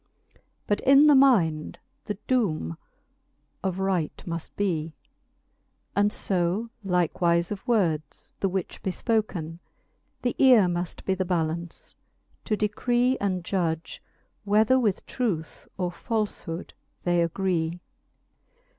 But in the mind the doome of right muft bee ; And fo likewife of words, the which be fpoken. The eare muft be the ballance, to decree And judge, whether with truth or falfhood they agree.